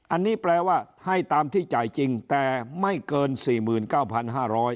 อันนี้แปลว่าให้ตามที่จ่ายจริงแต่ไม่เกิน๔๙๕๐๐บาท